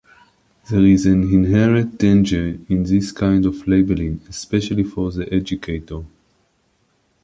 There is an inherent danger in this kind of labeling especially for the educator.